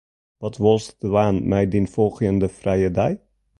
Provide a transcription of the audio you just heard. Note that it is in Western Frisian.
Wat wolst dwaan mei dyn folgjende frije dei?